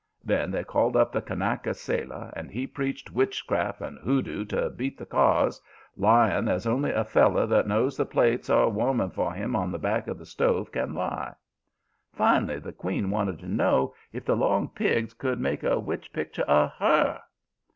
Then they called up the Kanaka sailor, and he preached witchcraft and hoodoos to beat the cars, lying as only a feller that knows the plates are warming for him on the back of the stove can lie. Finally the queen wanted to know if the 'long pigs' could make a witch picture of HER.